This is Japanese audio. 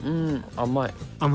甘い。